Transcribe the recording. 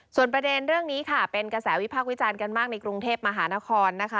ส่วนประเด็นเรื่องนี้ค่ะเป็นกระแสวิพากษ์วิจารณ์กันมากในกรุงเทพมหานครนะคะ